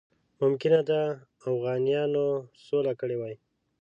ممکنه ده اوغانیانو سوله کړې وي.